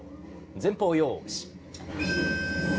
前方よーし。